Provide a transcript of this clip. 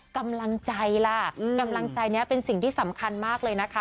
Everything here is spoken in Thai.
กำลังใจล่ะกำลังใจนี้เป็นสิ่งที่สำคัญมากเลยนะคะ